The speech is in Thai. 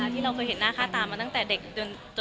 ที่เราเคยเห็นหน้าค่าตามาตั้งแต่เด็ก